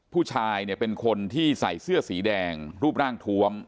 ผู้ชายเนี่ยเป็นคนที่ใส่เสื้อสีแดงรูปร่างทวม